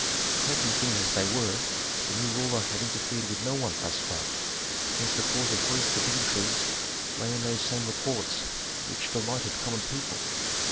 Taking things as they were, the new ruler had interfered with no one thus far, hence the cause of grief for dignitaries lay in those same reports which delighted common people.